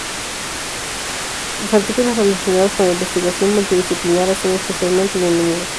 Los artículos relacionados con la investigación multidisciplinaria son especialmente bienvenidos.